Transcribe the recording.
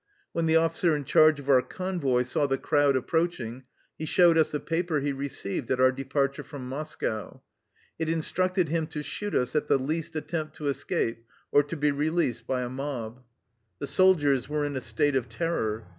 When the officer in charge of our convoy saw the crowd approaching he showed us a paper he received at our departure from Moscow. It instructed him to shoot us at the least attempt to escape or to be released by a mob. The soldiers were in a state of terror.